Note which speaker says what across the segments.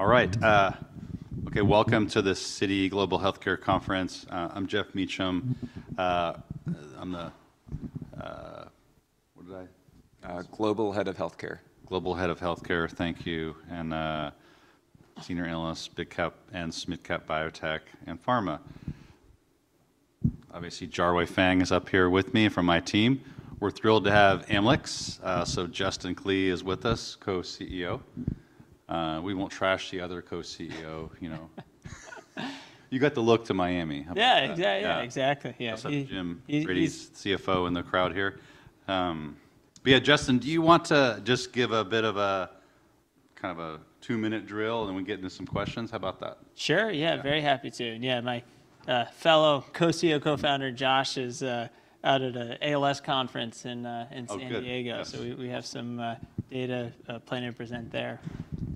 Speaker 1: All right. Okay, welcome to the Citi Global Healthcare Conference. I'm Geoff Meacham. Global Head of Healthcare. Global Head of Healthcare, thank you. And Senior Analyst, big cap and mid-cap biotech and pharma. Obviously, Jarwei Fang is up here with me from my team. We're thrilled to have Amylyx. So Justin Klee is with us, co-CEO. We won't trash the other co-CEO, you know. You got the look to Miami.
Speaker 2: Yeah, yeah, yeah, exactly.
Speaker 1: I saw Jim Frates, CFO, in the crowd here. But yeah, Justin, do you want to just give a bit of a kind of a two-minute drill, and then we get into some questions? How about that?
Speaker 2: Sure, yeah, very happy to. Yeah, my fellow co-CEO, co-founder Josh is out at an ALS conference in San Diego, so we have some data planning to present there.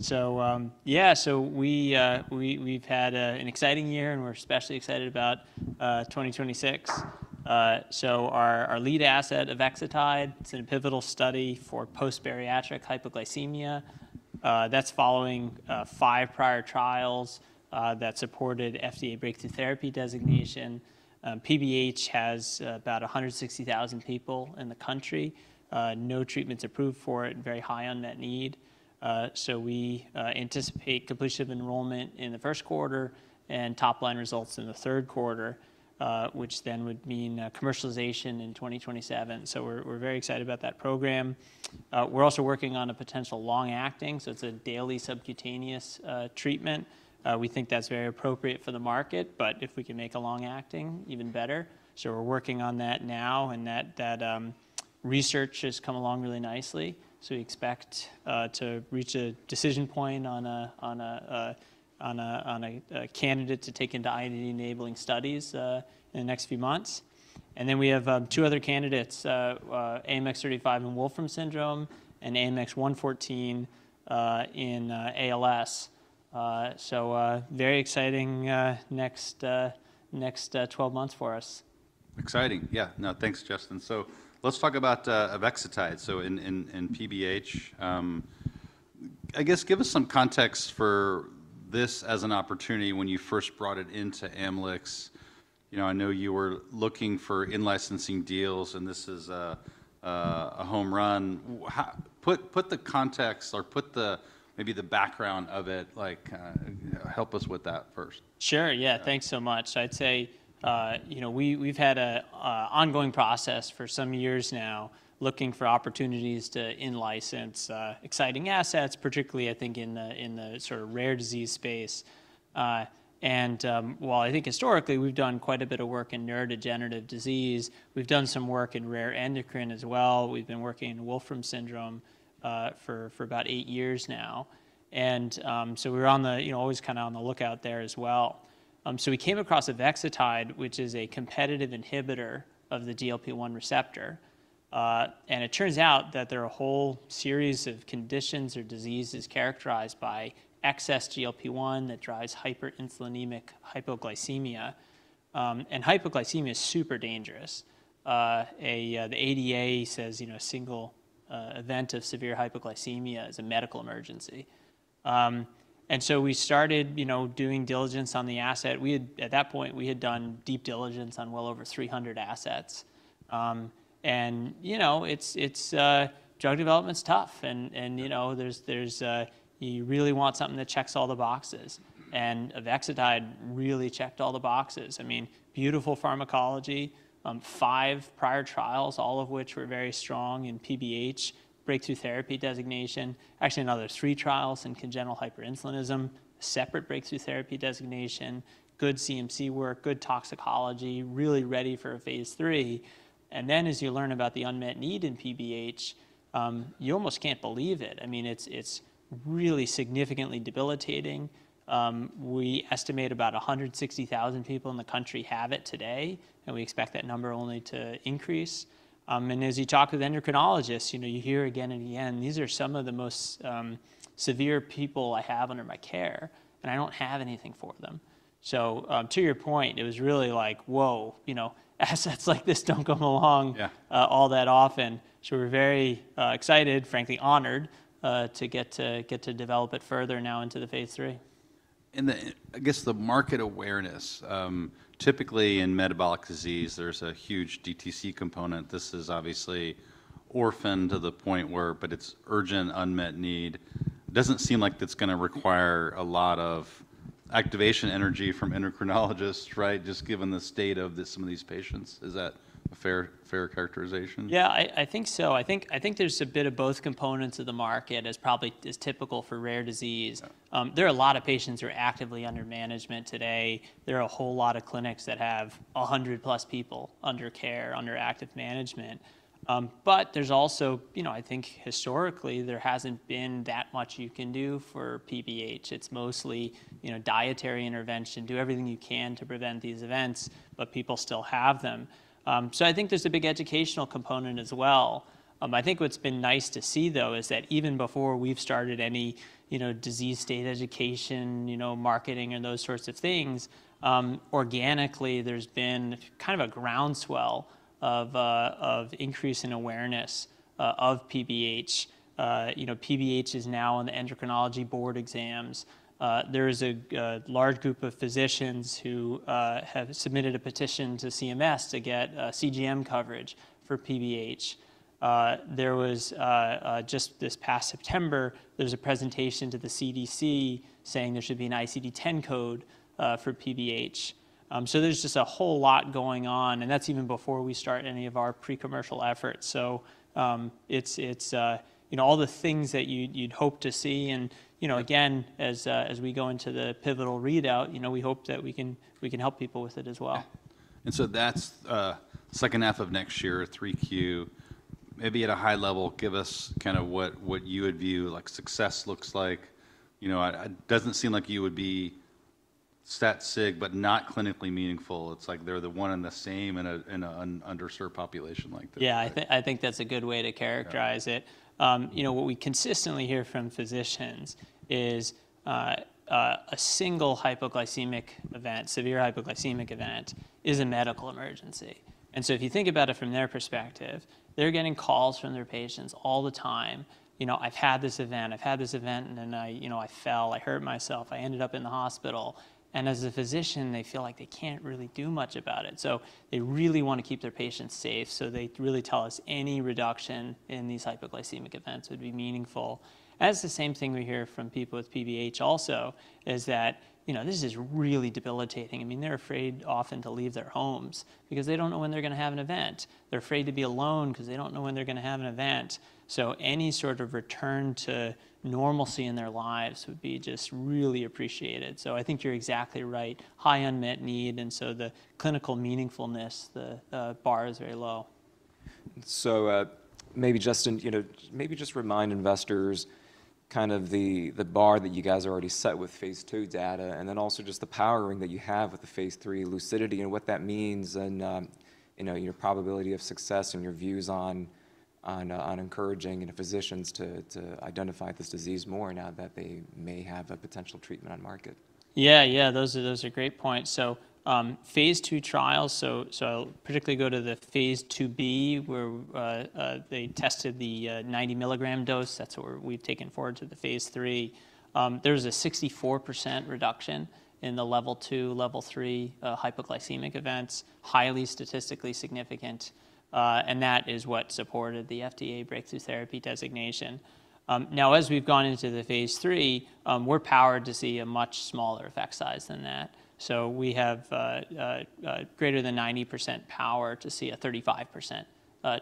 Speaker 2: So yeah, so we've had an exciting year, and we're especially excited about 2026. Our lead asset, avexitide, it's a pivotal study for post-bariatric hypoglycemia. That's following five prior trials that supported FDA Breakthrough Therapy designation. PBH has about 160,000 people in the country, no treatments approved for it, and very high unmet need. We anticipate completion of enrollment in the first quarter and top-line results in the third quarter, which then would mean commercialization in 2027. We're very excited about that program. We're also working on a potential long-acting, so it's a daily subcutaneous treatment. We think that's very appropriate for the market, but if we can make a long-acting, even better. So we're working on that now, and that research has come along really nicely. So we expect to reach a decision point on a candidate to take into IND enabling studies in the next few months. And then we have two other candidates, AMX0035 in Wolfram syndrome and AMX0114 in ALS. So very exciting next 12 months for us.
Speaker 1: Exciting, yeah. No, thanks, Justin. So let's talk about avexitide. So in PBH, I guess give us some context for this as an opportunity when you first brought it into Amylyx. You know, I know you were looking for in-licensing deals, and this is a home run. Put the context or put maybe the background of it, like help us with that first.
Speaker 2: Sure, yeah, thanks so much. I'd say we've had an ongoing process for some years now looking for opportunities to in-license exciting assets, particularly I think in the sort of rare disease space, and while I think historically we've done quite a bit of work in neurodegenerative disease, we've done some work in rare endocrine as well. We've been working in Wolfram syndrome for about eight years now, and so we were always kind of on the lookout there as well, so we came across avexitide, which is a competitive inhibitor of the GLP-1 receptor, and it turns out that there are a whole series of conditions or diseases characterized by excess GLP-1 that drives hyperinsulinemic hypoglycemia, and hypoglycemia is super dangerous. The ADA says a single event of severe hypoglycemia is a medical emergency, and so we started doing diligence on the asset. At that point, we had done deep diligence on well over 300 assets. And you know, drug development's tough, and you really want something that checks all the boxes. And avexitide really checked all the boxes. I mean, beautiful pharmacology, five prior trials, all of which were very strong in PBH Breakthrough Therapy designation. Actually, another three trials in congenital hyperinsulinism, separate Breakthrough Therapy designation, good CMC work, good toxicology, really ready for a Phase 3. And then as you learn about the unmet need in PBH, you almost can't believe it. I mean, it's really significantly debilitating. We estimate about 160,000 people in the country have it today, and we expect that number only to increase. And as you talk with endocrinologists, you hear again and again, these are some of the most severe people I have under my care, and I don't have anything for them. So to your point, it was really like, whoa, you know, assets like this don't come along all that often. So we're very excited, frankly honored, to get to develop it further now into the Phase 3.
Speaker 1: I guess the market awareness, typically in metabolic disease, there's a huge DTC component. This is obviously orphaned to the point where, but it's urgent unmet need. It doesn't seem like it's going to require a lot of activation energy from endocrinologists, right, just given the state of some of these patients. Is that a fair characterization?
Speaker 2: Yeah, I think so. I think there's a bit of both components of the market as probably is typical for rare disease. There are a lot of patients who are actively under management today. There are a whole lot of clinics that have 100 plus people under care, under active management. But there's also, you know, I think historically there hasn't been that much you can do for PBH. It's mostly dietary intervention, do everything you can to prevent these events, but people still have them. So I think there's a big educational component as well. I think what's been nice to see though is that even before we've started any disease state education, marketing, and those sorts of things, organically there's been kind of a groundswell of increase in awareness of PBH. PBH is now on the endocrinology board exams. There is a large group of physicians who have submitted a petition to CMS to get CGM coverage for PBH. There was just this past September, there was a presentation to the CDC saying there should be an ICD-10 code for PBH. So there's just a whole lot going on, and that's even before we start any of our pre-commercial efforts. So it's all the things that you'd hope to see. And again, as we go into the pivotal readout, we hope that we can help people with it as well.
Speaker 1: And so that's the second half of next year, Q3. Maybe at a high level, give us kind of what you would view like success looks like. It doesn't seem like you would be stat-sig, but not clinically meaningful. It's like they're the one and the same in an underserved population like this.
Speaker 2: Yeah, I think that's a good way to characterize it. You know, what we consistently hear from physicians is a single hypoglycemic event. Severe hypoglycemic event is a medical emergency. And so if you think about it from their perspective, they're getting calls from their patients all the time. You know, I've had this event, I've had this event, and then I fell, I hurt myself, I ended up in the hospital. And as a physician, they feel like they can't really do much about it. So they really want to keep their patients safe. So they really tell us any reduction in these hypoglycemic events would be meaningful. That's the same thing we hear from people with PBH also, is that this is really debilitating. I mean, they're afraid often to leave their homes because they don't know when they're going to have an event. They're afraid to be alone because they don't know when they're going to have an event. So any sort of return to normalcy in their lives would be just really appreciated. So I think you're exactly right, high unmet need. And so the clinical meaningfulness, the bar is very low.
Speaker 1: So, maybe, Justin, maybe just remind investors kind of the bar that you guys already set with Phase two data, and then also just the powering that you have with the Phase 3 Lucidity and what that means and your probability of success and your views on encouraging physicians to identify this disease more now that they may have a potential treatment on market?
Speaker 2: Yeah, yeah, those are great points. So Phase 2 trials, so I'll particularly go to the Phase 2b where they tested the 90 milligram dose. That's what we've taken forward to the Phase 3. There's a 64% reduction in the Level 2, Level 3 hypoglycemic events, highly statistically significant. And that is what supported the FDA Breakthrough Therapy designation. Now, as we've gone into the Phase 3, we're powered to see a much smaller effect size than that, so we have greater than 90% power to see a 35%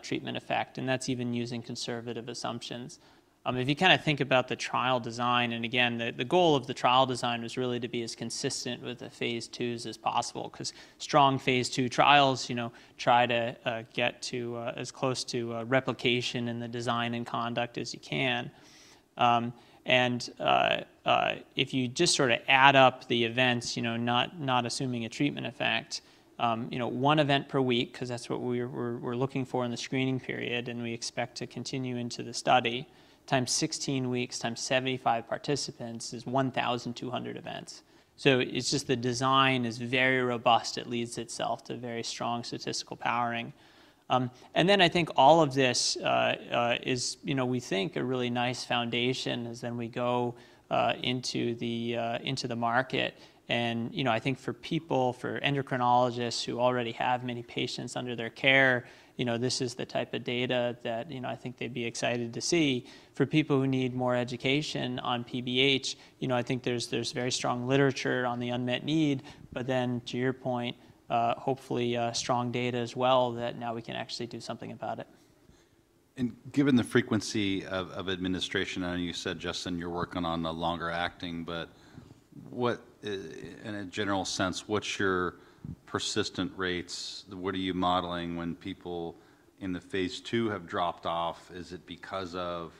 Speaker 2: treatment effect. And that's even using conservative assumptions. If you kind of think about the trial design, and again, the goal of the trial design was really to be as consistent with the Phase 2s as possible because strong Phase2 trials try to get as close to replication in the design and conduct as you can. And if you just sort of add up the events, not assuming a treatment effect, one event per week, because that's what we're looking for in the screening period, and we expect to continue into the study, times 16 weeks, times 75 participants is 1,200 events. So it's just the design is very robust. It lends itself to very strong statistical powering. And then I think all of this is, we think, a really nice foundation as then we go into the market. And I think for people, for endocrinologists who already have many patients under their care, this is the type of data that I think they'd be excited to see. For people who need more education on PBH, I think there's very strong literature on the unmet need, but then to your point, hopefully strong data as well that now we can actually do something about it.
Speaker 1: And given the frequency of administration, I know you said, Justin, you're working on the longer acting, but in a general sense, what's your persistence rates? What are you modeling when people in the Phase 2 have dropped off? Is it because of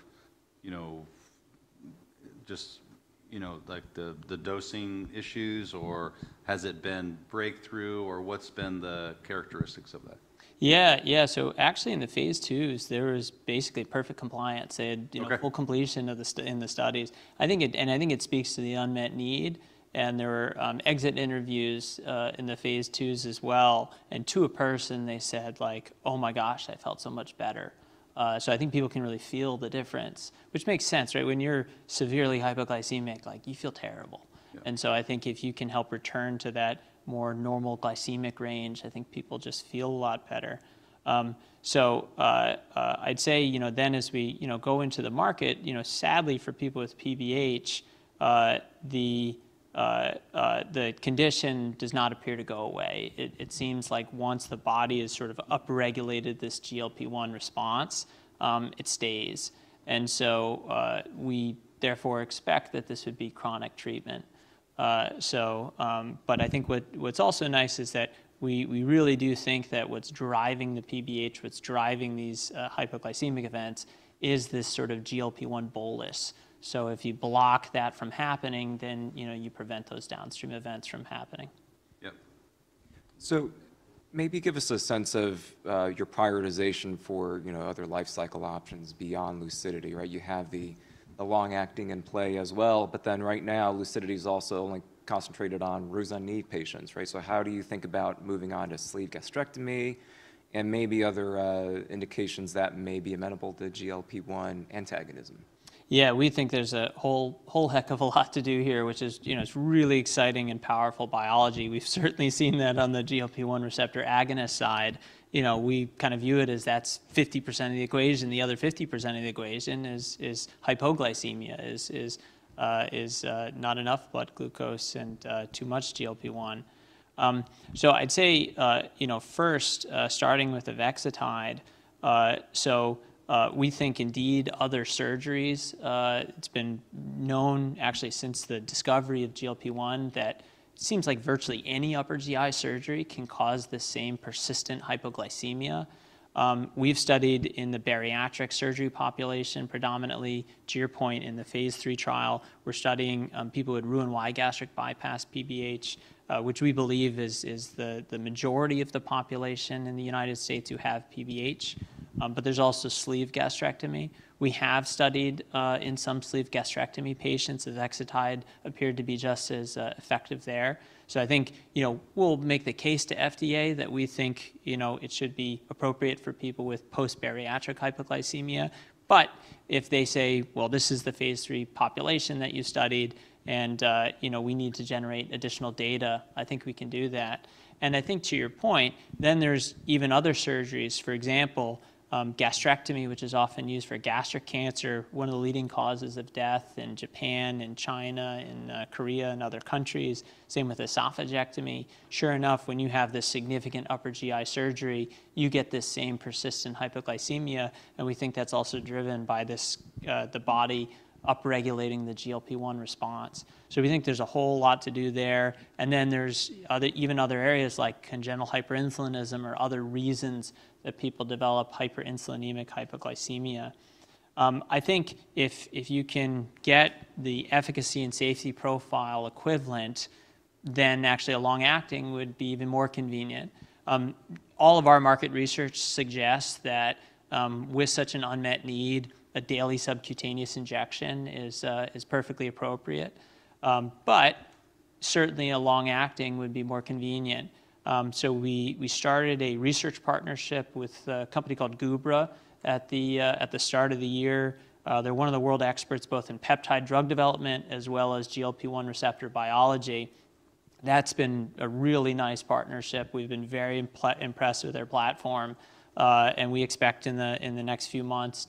Speaker 1: just the dosing issues, or has it been breakthrough, or what's been the characteristics of that?
Speaker 2: Yeah, yeah. So actually in the Phase 2s, there was basically perfect compliance, full completion in the studies. And I think it speaks to the unmet need. And there were exit interviews in the Phase 2s as well. And to a person, they said, like, "Oh my gosh, I felt so much better." So I think people can really feel the difference, which makes sense, right? When you're severely hypoglycemic, you feel terrible. And so I think if you can help return to that more normal glycemic range, I think people just feel a lot better. So I'd say then as we go into the market, sadly for people with PBH, the condition does not appear to go away. It seems like once the body has sort of upregulated this GLP-1 response, it stays. And so we therefore expect that this would be chronic treatment. But I think what's also nice is that we really do think that what's driving the PBH, what's driving these hypoglycemic events is this sort of GLP-1 bolus. So if you block that from happening, then you prevent those downstream events from happening.
Speaker 1: Yep. So maybe give us a sense of your prioritization for other life cycle options beyond lucidity, right? You have the long acting in play as well, but then right now lucidity is also only concentrated on Roux-en-Y patients, right? So how do you think about moving on to sleeve gastrectomy and maybe other indications that may be amenable to GLP-1 antagonism?
Speaker 2: Yeah, we think there's a whole heck of a lot to do here, which is really exciting and powerful biology. We've certainly seen that on the GLP-1 receptor agonist side. We kind of view it as that's 50% of the equation. The other 50% of the equation is hypoglycemia, is not enough blood glucose and too much GLP-1. So I'd say first starting with avexitide, so we think indeed other surgeries, it's been known actually since the discovery of GLP-1 that it seems like virtually any upper GI surgery can cause the same persistent hypoglycemia. We've studied in the bariatric surgery population predominantly. To your point, in the Phase 3 trial, we're studying people who had Roux-en-Y gastric bypass PBH, which we believe is the majority of the population in the United States who have PBH. But there's also sleeve gastrectomy. We have studied in some sleeve gastrectomy patients as avexitide appeared to be just as effective there. So I think we'll make the case to FDA that we think it should be appropriate for people with post-bariatric hypoglycemia. But if they say, "Well, this is the Phase 3 population that you studied and we need to generate additional data," I think we can do that. And I think to your point, then there's even other surgeries, for example, gastrectomy, which is often used for gastric cancer, one of the leading causes of death in Japan and China and Korea and other countries, same with esophagectomy. Sure enough, when you have this significant upper GI surgery, you get this same persistent hypoglycemia. And we think that's also driven by the body upregulating the GLP-1 response. So we think there's a whole lot to do there. And then there's even other areas like congenital hyperinsulinism or other reasons that people develop hyperinsulinemic hypoglycemia. I think if you can get the efficacy and safety profile equivalent, then actually a long acting would be even more convenient. All of our market research suggests that with such an unmet need, a daily subcutaneous injection is perfectly appropriate. But certainly a long acting would be more convenient. So we started a research partnership with a company called Gubra at the start of the year. They're one of the world experts both in peptide drug development as well as GLP-1 receptor biology. That's been a really nice partnership. We've been very impressed with their platform. And we expect in the next few months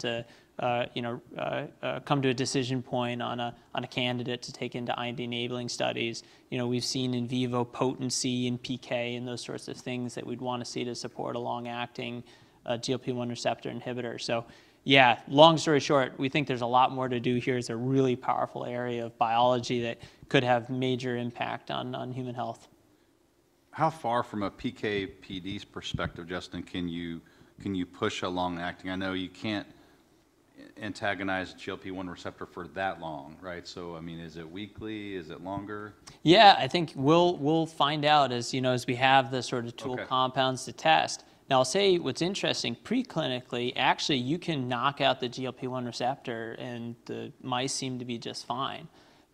Speaker 2: to come to a decision point on a candidate to take into IND enabling studies. We've seen in vivo potency in PK and those sorts of things that we'd want to see to support a long acting GLP-1 receptor inhibitor. So yeah, long story short, we think there's a lot more to do here. It's a really powerful area of biology that could have major impact on human health.
Speaker 1: How far from a PK/PD perspective, Justin, can you push a long acting? I know you can't antagonize GLP-1 receptor for that long, right? So I mean, is it weekly? Is it longer?
Speaker 2: Yeah, I think we'll find out as we have the sort of tool compounds to test. Now I'll say what's interesting, preclinically, actually you can knock out the GLP-1 receptor and the mice seem to be just fine.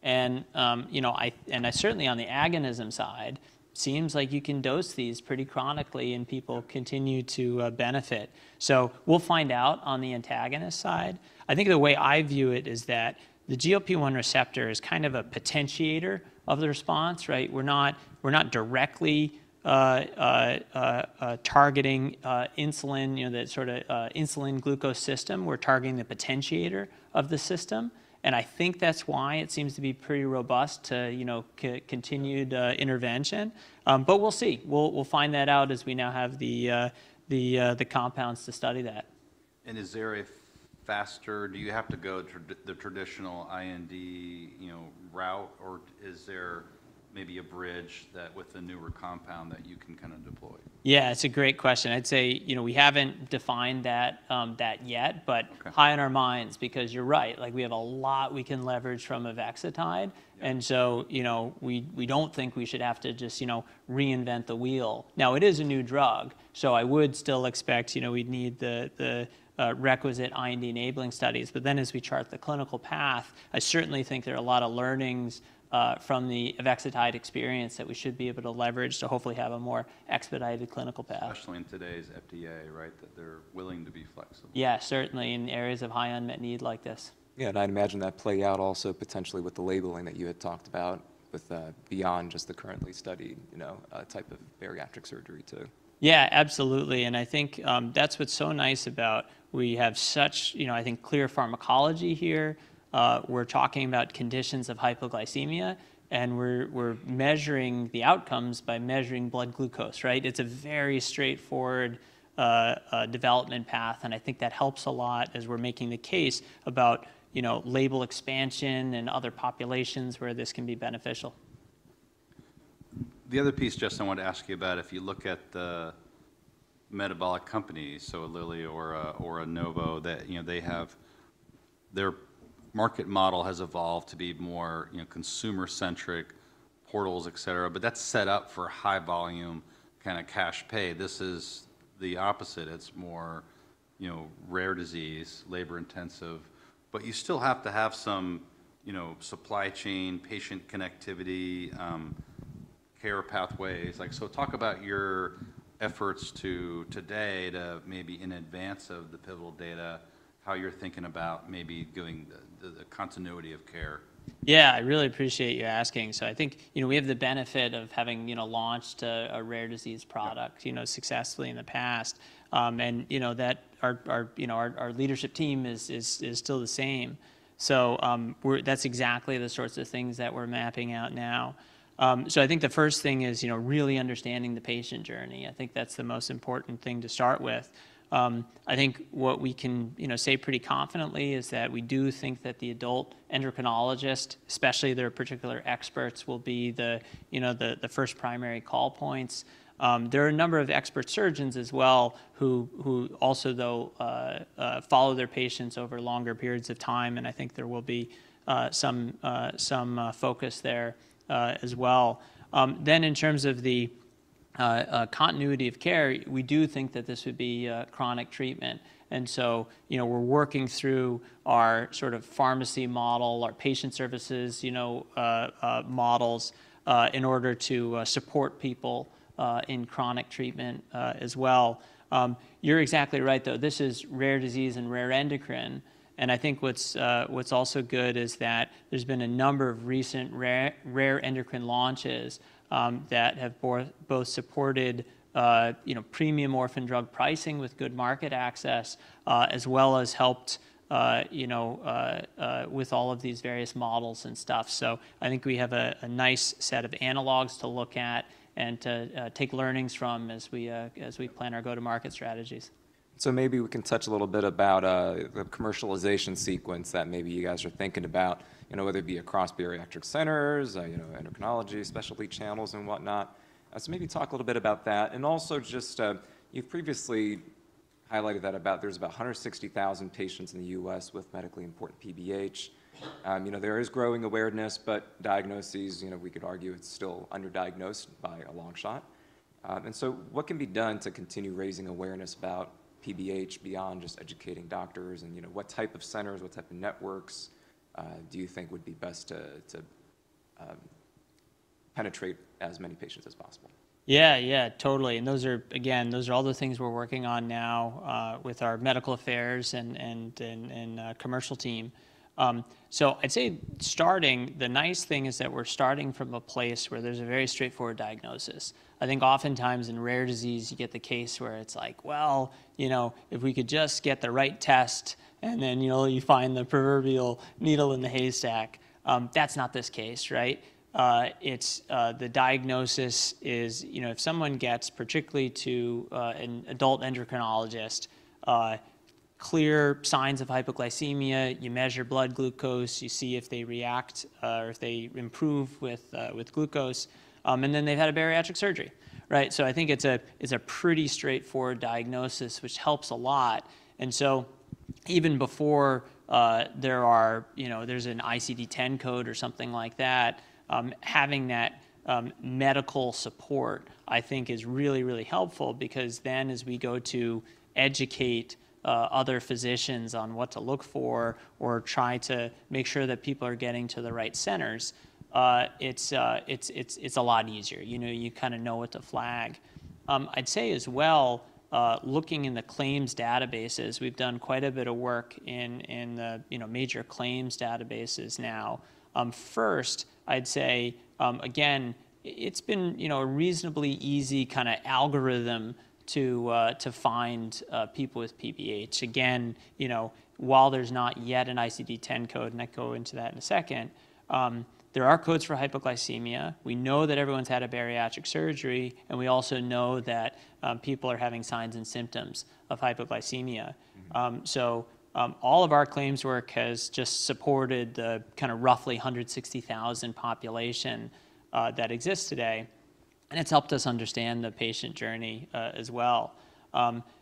Speaker 2: And certainly on the agonism side, it seems like you can dose these pretty chronically and people continue to benefit. So we'll find out on the antagonist side. I think the way I view it is that the GLP-1 receptor is kind of a potentiator of the response, right? We're not directly targeting insulin, that sort of insulin glucose system. We're targeting the potentiator of the system. And I think that's why it seems to be pretty robust to continued intervention. But we'll see. We'll find that out as we now have the compounds to study that.
Speaker 1: Is there a faster way? Do you have to go to the traditional IND route, or is there maybe a bridge with a newer compound that you can kind of deploy?
Speaker 2: Yeah, it's a great question. I'd say we haven't defined that yet, but high on our minds because you're right. We have a lot we can leverage from avexitide, and so we don't think we should have to just reinvent the wheel. Now it is a new drug, so I would still expect we'd need the requisite IND enabling studies, but then as we chart the clinical path, I certainly think there are a lot of learnings from the avexitide experience that we should be able to leverage to hopefully have a more expedited clinical path.
Speaker 1: Especially in today's FDA, right, that they're willing to be flexible.
Speaker 2: Yeah, certainly in areas of high unmet need like this.
Speaker 1: Yeah, and I'd imagine that play out also potentially with the labeling that you had talked about with beyond just the currently studied type of bariatric surgery too.
Speaker 2: Yeah, absolutely. And I think that's what's so nice about we have such, I think, clear pharmacology here. We're talking about conditions of hypoglycemia, and we're measuring the outcomes by measuring blood glucose, right? It's a very straightforward development path. And I think that helps a lot as we're making the case about label expansion and other populations where this can be beneficial.
Speaker 1: The other piece, Justin, I wanted to ask you about if you look at the metabolic companies, so Lilly or Novo, that they have their market model has evolved to be more consumer-centric portals, et cetera, but that's set up for high volume kind of cash pay. This is the opposite. It's more rare disease, labor intensive. But you still have to have some supply chain, patient connectivity, care pathways. So talk about your efforts today to maybe in advance of the pivotal data, how you're thinking about maybe doing the continuity of care.
Speaker 2: Yeah, I really appreciate you asking. So I think we have the benefit of having launched a rare disease product successfully in the past, and our leadership team is still the same, so that's exactly the sorts of things that we're mapping out now. So I think the first thing is really understanding the patient journey. I think that's the most important thing to start with. I think what we can say pretty confidently is that we do think that the adult endocrinologist, especially their particular experts, will be the first primary call points. There are a number of expert surgeons as well who also, though, follow their patients over longer periods of time, and I think there will be some focus there as well. Then in terms of the continuity of care, we do think that this would be chronic treatment. And so we're working through our sort of pharmacy model, our patient services models in order to support people in chronic treatment as well. You're exactly right, though. This is rare disease and rare endocrine. And I think what's also good is that there's been a number of recent rare endocrine launches that have both supported premium orphan drug pricing with good market access, as well as helped with all of these various models and stuff. So I think we have a nice set of analogs to look at and to take learnings from as we plan our go-to-market strategies.
Speaker 1: So maybe we can touch a little bit about the commercialization sequence that maybe you guys are thinking about, whether it be across bariatric centers, endocrinology specialty channels, and whatnot. So maybe talk a little bit about that. And also just you've previously highlighted that there's about 160,000 patients in the U.S. with medically important PBH. There is growing awareness, but diagnosis, we could argue it's still underdiagnosed by a long shot. And so what can be done to continue raising awareness about PBH beyond just educating doctors? And what type of centers, what type of networks do you think would be best to penetrate as many patients as possible?
Speaker 2: Yeah, yeah, totally. And again, those are all the things we're working on now with our medical affairs and commercial team. So I'd say starting, the nice thing is that we're starting from a place where there's a very straightforward diagnosis. I think oftentimes in rare disease, you get the case where it's like, "Well, if we could just get the right test," and then you find the proverbial needle in the haystack. That's not this case, right? The diagnosis is if someone gets, particularly to an adult endocrinologist, clear signs of hypoglycemia, you measure blood glucose, you see if they react or if they improve with glucose, and then they've had a bariatric surgery, right? So I think it's a pretty straightforward diagnosis, which helps a lot. And so even before there's an ICD-10 code or something like that, having that medical support, I think, is really, really helpful because then as we go to educate other physicians on what to look for or try to make sure that people are getting to the right centers, it's a lot easier. You kind of know what to flag. I'd say as well, looking in the claims databases, we've done quite a bit of work in the major claims databases now. First, I'd say, again, it's been a reasonably easy kind of algorithm to find people with PBH. Again, while there's not yet an ICD-10 code, and I'll go into that in a second, there are codes for hypoglycemia. We know that everyone's had a bariatric surgery, and we also know that people are having signs and symptoms of hypoglycemia. So all of our claims work has just supported the kind of roughly 160,000 population that exists today. And it's helped us understand the patient journey as well.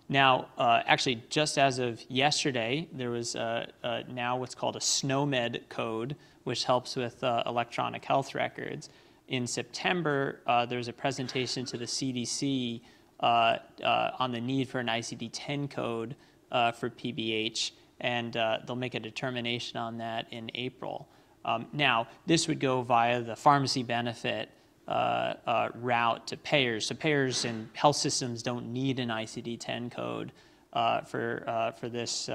Speaker 2: Now, actually, just as of yesterday, there was now what's called a SNOMED code, which helps with electronic health records. In September, there was a presentation to the CDC on the need for an ICD-10 code for PBH, and they'll make a determination on that in April. Now, this would go via the pharmacy benefit route to payers. So payers and health systems don't need an ICD-10 code for this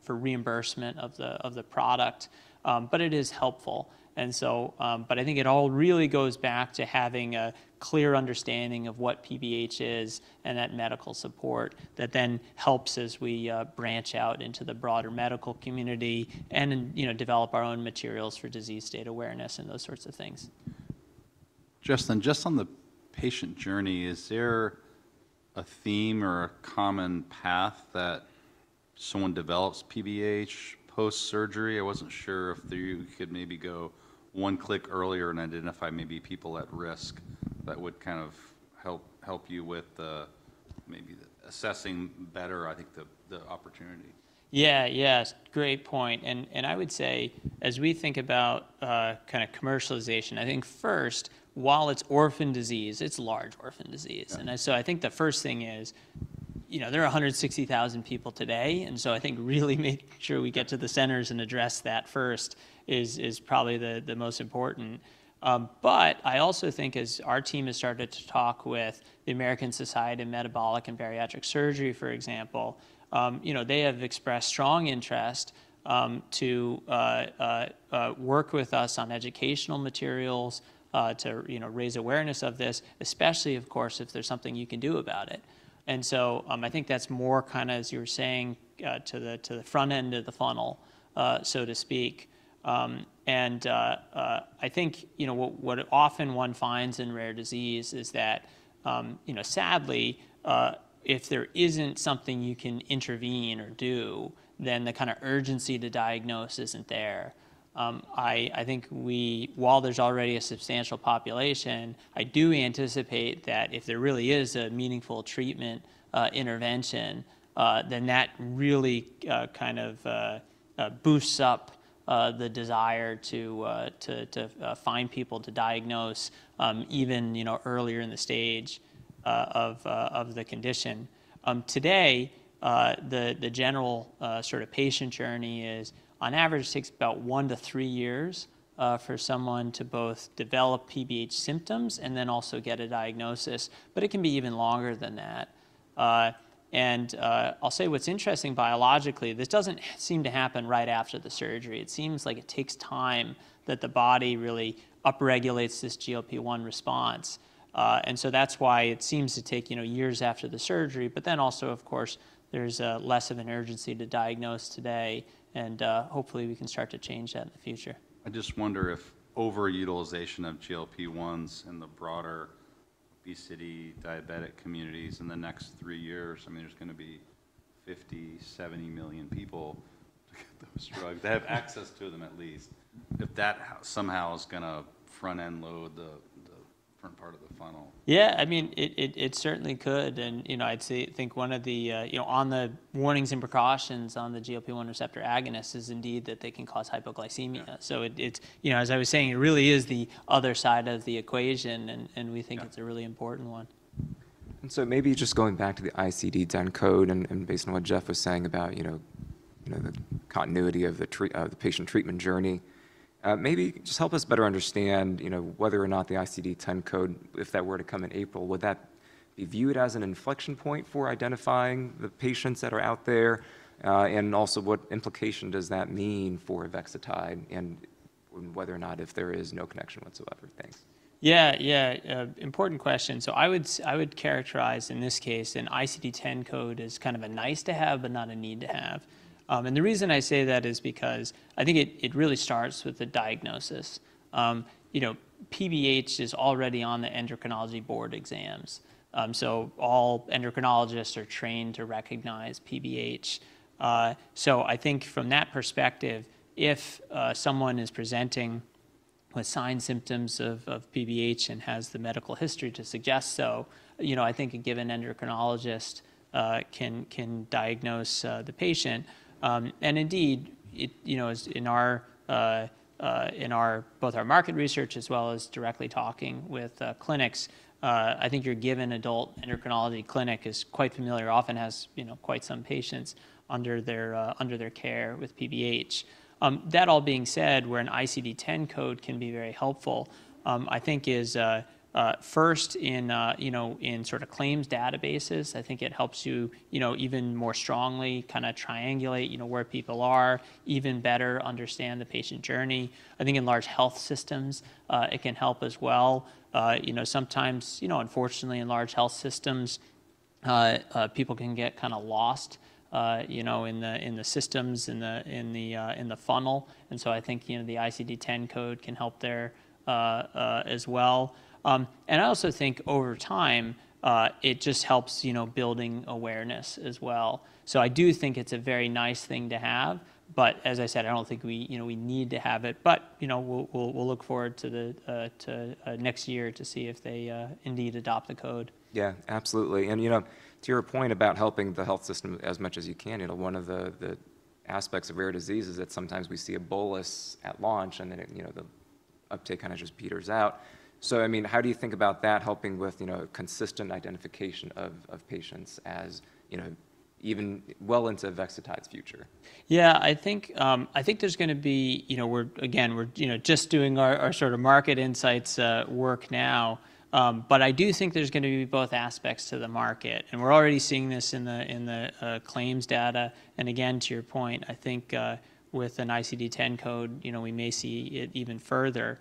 Speaker 2: for reimbursement of the product. But it is helpful. But I think it all really goes back to having a clear understanding of what PBH is and that medical support that then helps as we branch out into the broader medical community and develop our own materials for disease state awareness and those sorts of things.
Speaker 1: Justin, just on the patient journey, is there a theme or a common path that someone develops PBH post-surgery? I wasn't sure if you could maybe go one click earlier and identify maybe people at risk that would kind of help you with maybe assessing better, I think, the opportunity.
Speaker 2: Yeah, yeah, great point. And I would say as we think about kind of commercialization, I think first, while it's orphan disease, it's large orphan disease. And so I think the first thing is there are 160,000 people today. And so I think really making sure we get to the centers and address that first is probably the most important. But I also think as our team has started to talk with the American Society for Metabolic and Bariatric Surgery, for example, they have expressed strong interest to work with us on educational materials to raise awareness of this, especially, of course, if there's something you can do about it. And so I think that's more kind of, as you were saying, to the front end of the funnel, so to speak. I think what often one finds in rare disease is that, sadly, if there isn't something you can intervene or do, then the kind of urgency to diagnose isn't there. I think while there's already a substantial population, I do anticipate that if there really is a meaningful treatment intervention, then that really kind of boosts up the desire to find people to diagnose even earlier in the stage of the condition. Today, the general sort of patient journey is, on average, it takes about one to three years for someone to both develop PBH symptoms and then also get a diagnosis. But it can be even longer than that. I'll say what's interesting biologically, this doesn't seem to happen right after the surgery. It seems like it takes time that the body really upregulates this GLP-1 response. And so that's why it seems to take years after the surgery. But then also, of course, there's less of an urgency to diagnose today. And hopefully, we can start to change that in the future.
Speaker 1: I just wonder if over-utilization of GLP-1s in the broader obesity diabetic communities in the next three years, I mean, there's going to be 50-70 million people to get those drugs, to have access to them at least, if that somehow is going to front-end load the front part of the funnel.
Speaker 2: Yeah, I mean, it certainly could. And I'd say I think one of the warnings and precautions on the GLP-1 receptor agonists is indeed that they can cause hypoglycemia. So as I was saying, it really is the other side of the equation, and we think it's a really important one.
Speaker 1: Maybe just going back to the ICD-10 code and based on what Justin was saying about the continuity of the patient treatment journey, maybe just help us better understand whether or not the ICD-10 code, if that were to come in April, would that be viewed as an inflection point for identifying the patients that are out there? Also, what implication does that mean for avexitide and whether or not if there is no connection whatsoever? Thanks.
Speaker 2: Yeah, yeah, important question. So I would characterize in this case an ICD-10 code as kind of a nice to have, but not a need to have. And the reason I say that is because I think it really starts with the diagnosis. PBH is already on the endocrinology board exams. So all endocrinologists are trained to recognize PBH. So I think from that perspective, if someone is presenting with signs and symptoms of PBH and has the medical history to suggest so, I think a given endocrinologist can diagnose the patient. And indeed, in both our market research as well as directly talking with clinics, I think a given adult endocrinology clinic is quite familiar, often has quite some patients under their care with PBH. That all being said, where an ICD-10 code can be very helpful, I think is first in sort of claims databases. I think it helps you even more strongly kind of triangulate where people are, even better understand the patient journey. I think in large health systems, it can help as well. Sometimes, unfortunately, in large health systems, people can get kind of lost in the systems, in the funnel. And so I think the ICD-10 code can help there as well. And I also think over time, it just helps building awareness as well. So I do think it's a very nice thing to have. But as I said, I don't think we need to have it. But we'll look forward to next year to see if they indeed adopt the code.
Speaker 1: Yeah, absolutely. And to your point about helping the health system as much as you can, one of the aspects of rare disease is that sometimes we see a bolus at launch, and then the uptake kind of just peters out. So I mean, how do you think about that helping with consistent identification of patients even well into avexitide's future?
Speaker 2: Yeah, I think there's going to be again, we're just doing our sort of market insights work now. But I do think there's going to be both aspects to the market. And we're already seeing this in the claims data. And again, to your point, I think with an ICD-10 code, we may see it even further.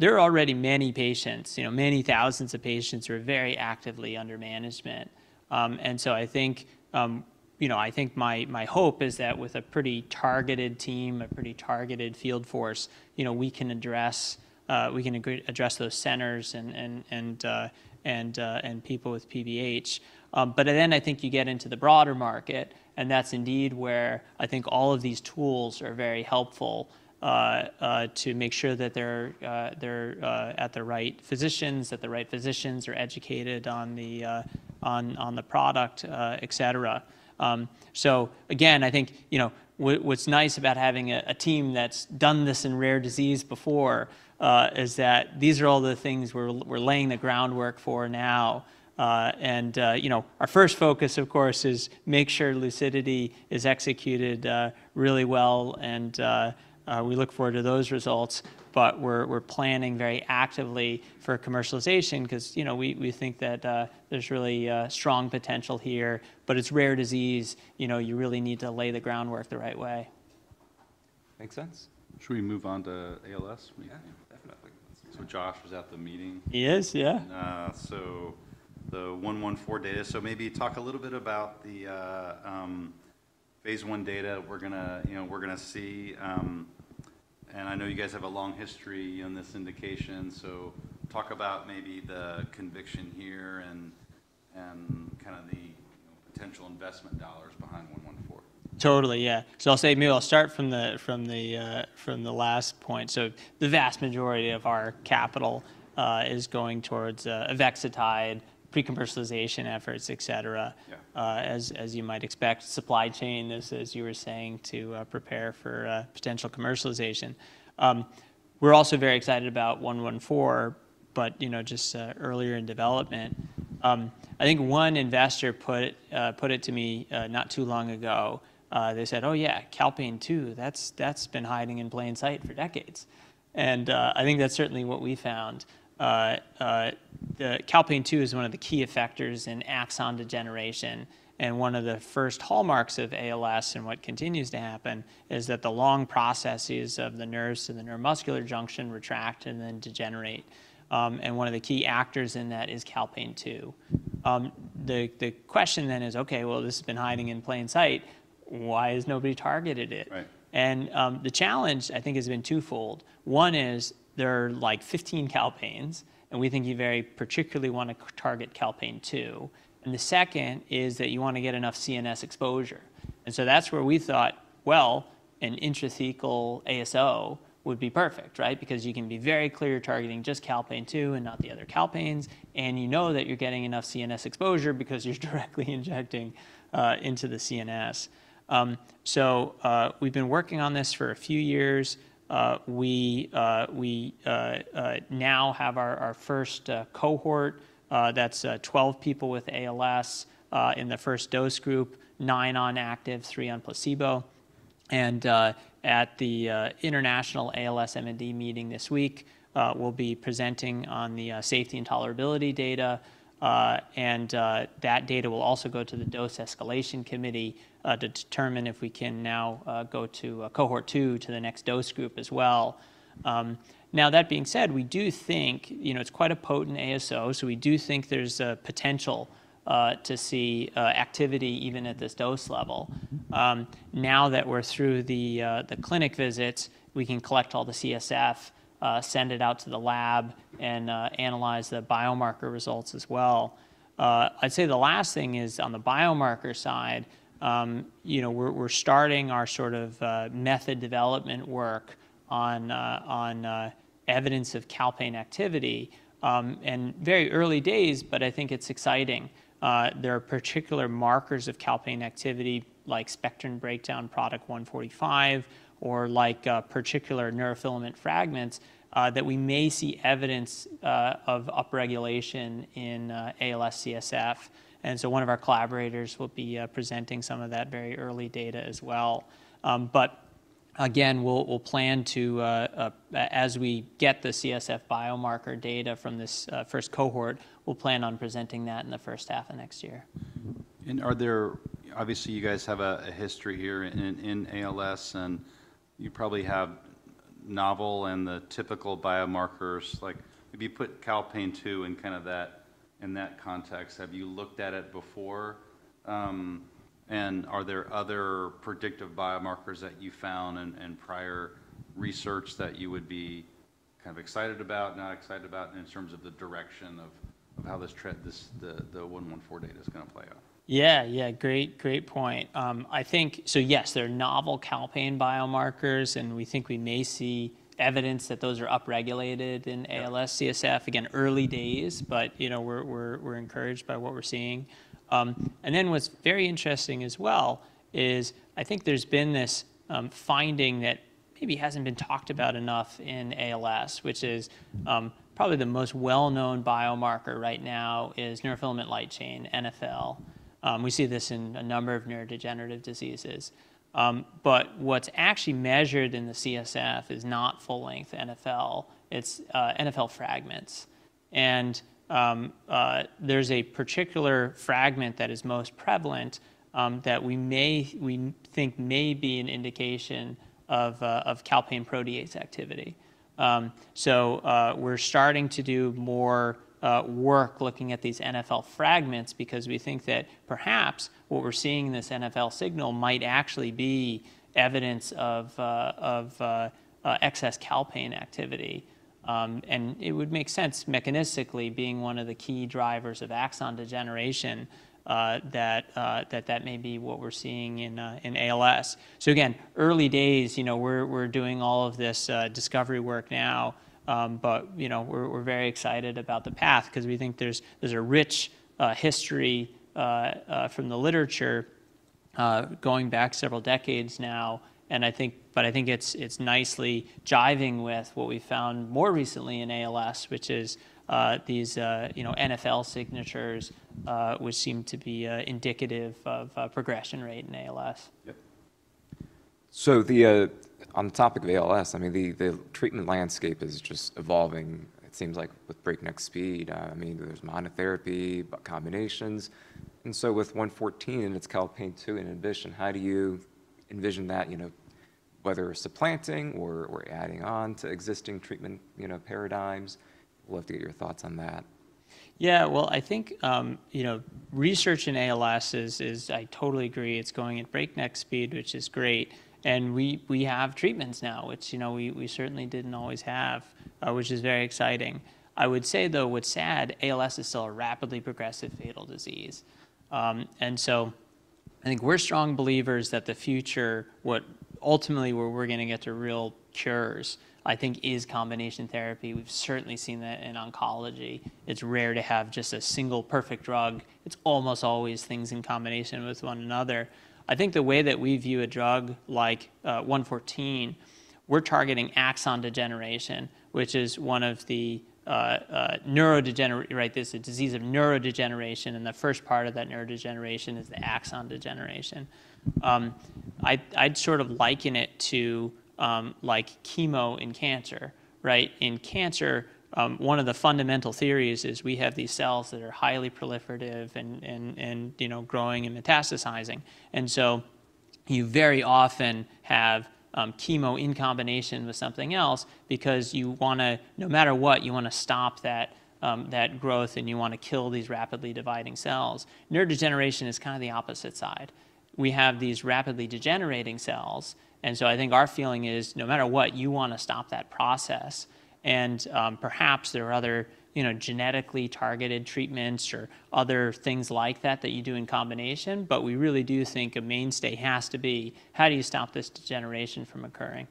Speaker 2: There are already many patients, many thousands of patients who are very actively under management. And so I think my hope is that with a pretty targeted team, a pretty targeted field force, we can address those centers and people with PBH. But then I think you get into the broader market, and that's indeed where I think all of these tools are very helpful to make sure that they're at the right physicians, that the right physicians are educated on the product, et cetera. So again, I think what's nice about having a team that's done this in rare disease before is that these are all the things we're laying the groundwork for now. And our first focus, of course, is to make sure lucidity is executed really well. And we look forward to those results. But we're planning very actively for commercialization because we think that there's really strong potential here. But it's rare disease. You really need to lay the groundwork the right way.
Speaker 1: Makes sense. Should we move on to ALS?
Speaker 2: Yeah, definitely.
Speaker 1: Josh was at the meeting.
Speaker 2: He is, yeah.
Speaker 1: So, the 114 data. So, maybe talk a little bit about the Phase 1 data we're going to see. And I know you guys have a long history on this indication. So, talk about maybe the conviction here and kind of the potential investment dollars behind 114.
Speaker 2: Totally, yeah. So I'll say, I'll start from the last point. So the vast majority of our capital is going towards avexitide, pre-commercialization efforts, et cetera, as you might expect. Supply chain, as you were saying, to prepare for potential commercialization. We're also very excited about 114, but just earlier in development. I think one investor put it to me not too long ago. They said, "Oh, yeah, calpain-2, that's been hiding in plain sight for decades." And I think that's certainly what we found. calpain-2 is one of the key effectors in axon degeneration. And one of the first hallmarks of ALS and what continues to happen is that the long processes of the nerves to the neuromuscular junction retract and then degenerate. And one of the key actors in that is calpain-2. The question then is, "Okay, well, this has been hiding in plain sight. Why has nobody targeted it?" And the challenge, I think, has been twofold. One is there are like 15 calpains, and we think you very particularly want to target calpain-2. And the second is that you want to get enough CNS exposure. And so that's where we thought, "Well, an intrathecal ASO would be perfect," right? Because you can be very clear targeting just calpain-2 and not the other calpains. And you know that you're getting enough CNS exposure because you're directly injecting into the CNS. So we've been working on this for a few years. We now have our first cohort. That's 12 people with ALS in the first dose group, 9 on active, 3 on placebo. And at the international ALS-MND meeting this week, we'll be presenting on the safety and tolerability data. That data will also go to the dose escalation committee to determine if we can now go to cohort two to the next dose group as well. Now, that being said, we do think it's quite a potent ASO. So we do think there's potential to see activity even at this dose level. Now that we're through the clinic visits, we can collect all the CSF, send it out to the lab, and analyze the biomarker results as well. I'd say the last thing is on the biomarker side, we're starting our sort of method development work on evidence of calpain activity. Very early days, but I think it's exciting. There are particular markers of calpain activity like spectrin breakdown product 145 or like particular neurofilament fragments that we may see evidence of upregulation in ALS CSF. And so one of our collaborators will be presenting some of that very early data as well. But again, we'll plan to, as we get the CSF biomarker data from this first cohort, we'll plan on presenting that in the first half of next year.
Speaker 1: Obviously, you guys have a history here in ALS, and you probably have novel and the typical biomarkers. If you put calpain-2 in kind of that context, have you looked at it before? And are there other predictive biomarkers that you found in prior research that you would be kind of excited about, not excited about in terms of the direction of how the 114 data is going to play out?
Speaker 2: Yeah, yeah, great point. So yes, there are novel calpain biomarkers, and we think we may see evidence that those are upregulated in ALS CSF. Again, early days, but we're encouraged by what we're seeing. And then what's very interesting as well is I think there's been this finding that maybe hasn't been talked about enough in ALS, which is probably the most well-known biomarker right now is neurofilament light chain, NFL. We see this in a number of neurodegenerative diseases. But what's actually measured in the CSF is not full-length NFL. It's NfL fragments. And there's a particular fragment that is most prevalent that we think may be an indication of calpain protease activity. So we're starting to do more work looking at these NfL fragments because we think that perhaps what we're seeing in this NfL signal might actually be evidence of excess calpain activity. And it would make sense mechanistically, being one of the key drivers of axon degeneration, that may be what we're seeing in ALS. So again, early days, we're doing all of this discovery work now. But we're very excited about the path because we think there's a rich history from the literature going back several decades now. But I think it's nicely jiving with what we found more recently in ALS, which is these NfL signatures, which seem to be indicative of progression rate in ALS.
Speaker 1: So on the topic of ALS, I mean, the treatment landscape is just evolving, it seems like, with breakneck speed. I mean, there's monotherapy, combinations. And so with 114 and its calpain-2 inhibition, how do you envision that, whether supplanting or adding on to existing treatment paradigms? We'd love to get your thoughts on that.
Speaker 2: Yeah, well, I think research in ALS is. I totally agree. It's going at breakneck speed, which is great. And we have treatments now, which we certainly didn't always have, which is very exciting. I would say, though, what's sad, ALS is still a rapidly progressive fatal disease. And so I think we're strong believers that the future, what ultimately where we're going to get to real cures, I think, is combination therapy. We've certainly seen that in oncology. It's rare to have just a single perfect drug. It's almost always things in combination with one another. I think the way that we view a drug like 114, we're targeting axon degeneration, which is one of the neurodegenerative, right? There's a disease of neurodegeneration. And the first part of that neurodegeneration is the axon degeneration. I'd sort of liken it to like chemo in cancer, right? In cancer, one of the fundamental theories is we have these cells that are highly proliferative and growing and metastasizing. And so you very often have chemo in combination with something else because you want to, no matter what, you want to stop that growth, and you want to kill these rapidly dividing cells. Neurodegeneration is kind of the opposite side. We have these rapidly degenerating cells. And so I think our feeling is, no matter what, you want to stop that process. And perhaps there are other genetically targeted treatments or other things like that that you do in combination. But we really do think a mainstay has to be, how do you stop this degeneration from occurring?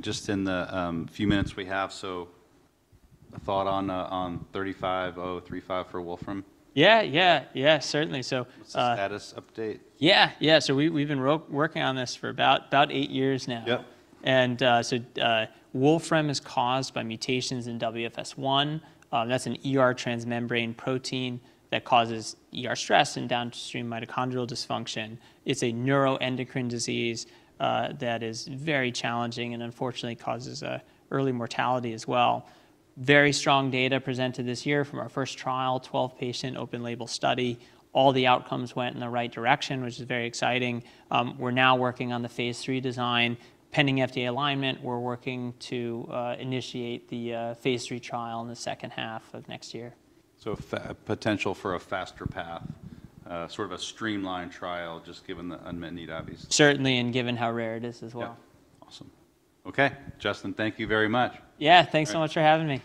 Speaker 1: Just in the few minutes we have, so a thought on AMX0035 for Wolfram?
Speaker 2: Yeah, yeah, yeah, certainly.
Speaker 1: Status update?
Speaker 2: Yeah, yeah. So we've been working on this for about eight years now. Wolfram is caused by mutations in WFS1. That's a transmembrane protein that causes stress and downstream mitochondrial dysfunction. It's a neuroendocrine disease that is very challenging and unfortunately causes early mortality as well. Very strong data presented this year from our first trial, 12-patient open-label study. All the outcomes went in the right direction, which is very exciting. We're now working on the Phase 3 design. Pending FDA alignment, we're working to initiate the Phase 3 trial in the second half of next year.
Speaker 1: Potential for a faster path, sort of a streamlined trial just given the unmet need, obviously.
Speaker 2: Certainly, and given how rare it is as well.
Speaker 1: Yeah, awesome. Okay, Justin, thank you very much.
Speaker 2: Yeah, thanks so much for having me.